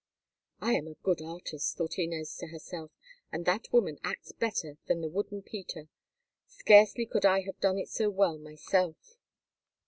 "I am a good artist," thought Inez to herself, "and that woman acts better than the wooden Peter. Scarcely could I have done it so well myself."